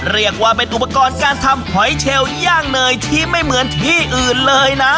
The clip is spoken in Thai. เรียกว่าเป็นอุปกรณ์การทำหอยเชลย่างเนยที่ไม่เหมือนที่อื่นเลยนะ